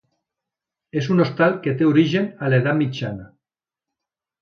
És un hostal que té origen a l'Edat Mitjana.